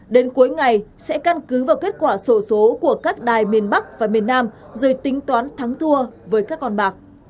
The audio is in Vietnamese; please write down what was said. đến cuối ngày sẽ căn cứ vào kết quả sổ số của các đài miền bắc và miền nam rồi tính toán thắng thua với các con bạc